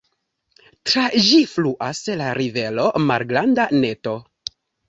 Tra ĝi fluas la rivero Malgranda Neto.